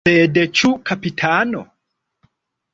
Sed ĉu kapitano?